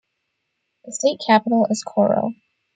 The state capital is Coro.